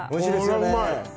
これはうまい！